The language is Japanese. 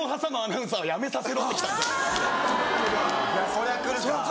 そりゃ来る。